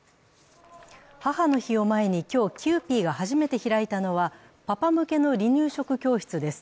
母の日を前に今日、キユーピーが初めて開いたのはパパ向けの離乳食教室です。